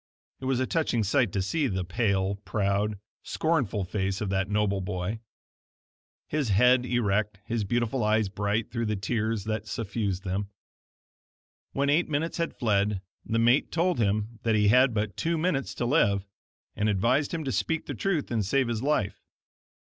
It was a touching sight to see the pale, proud, scornful face of that noble boy; his head erect, his beautiful eyes bright through the tears that suffused them. When eight minutes had fled the mate told him that he had but two minutes to live, and advised him to speak the truth and save his life.